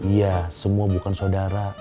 iya semua bukan sodara